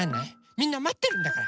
みんなまってるんだから！